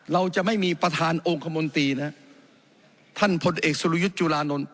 เราจะไม่มีประธานองค์คมนตรีนะฮะท่านพลเอกสุรยุทธ์จุลานนท์